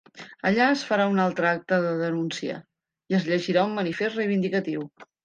Allà es farà un altre acte de denúncia i es llegirà un manifest reivindicatiu.